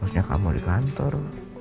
harusnya kamu di kantor